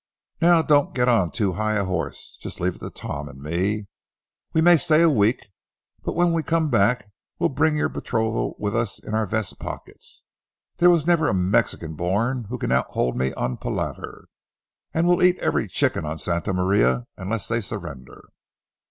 Now, don't get on too high a horse—just leave it to Tom and me. We may stay a week, but when we come back we'll bring your betrothal with us in our vest pockets. There was never a Mexican born who can outhold me on palaver; and we'll eat every chicken on Santa Maria unless they surrender."